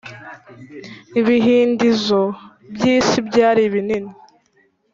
Ibihindizo by isi byari binini